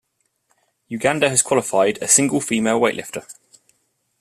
Uganda has qualified a single female weightlifter.